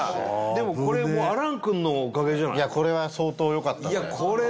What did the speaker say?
でも、これ亜嵐君のおかげじゃない？